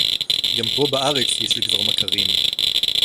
גם פה בארץ יש לי כבר מכרים.